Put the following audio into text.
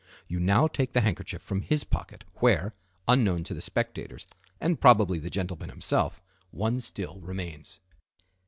You now take the handkerchief from his pocket, where, unknown to the spectators and probably the gentleman himself, one still remains.